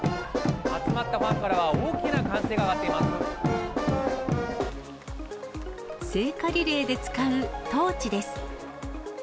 集まったファンからは大きな歓声聖火リレーで使うトーチです。